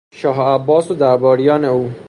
شاه عباس و درباریان او